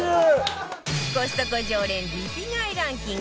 コストコ常連リピ買いランキング